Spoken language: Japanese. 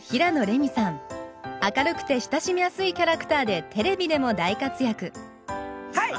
明るくて親しみやすいキャラクターでテレビでも大活躍はい！